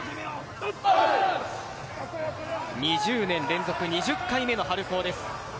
２０年連続２０回目の春高です。